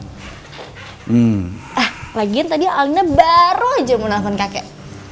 ah lagian tadi alina baru aja mau nelfon kakek